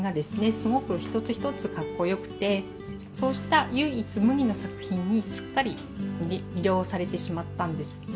すごく一つ一つかっこよくてそうした唯一無二の作品にすっかり魅了されてしまったんです。